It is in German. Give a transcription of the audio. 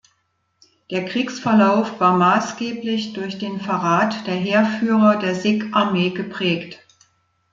Der Kriegsverlauf war maßgeblich durch den Verrat der Heerführer der Sikh-Armee geprägt.